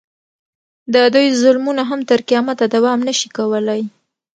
د دوی ظلمونه هم تر قیامته دوام نه شي کولی.